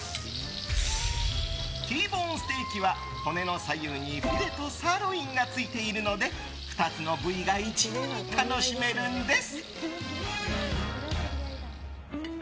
Ｔボーンステーキは骨の左右にフィレとサーロインがついているので２つの部位が一度に楽しめるんです。